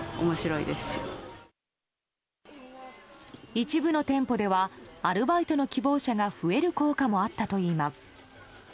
一部の店舗ではアルバイトの希望者が増える効果もあったといいます。